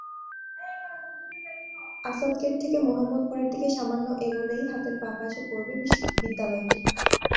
আসাদগেট থেকে মোহাম্মদপুরের দিকে সামান্য এগোলেই হাতের বাঁ পাশে পড়বে বিদ্যালয়টি।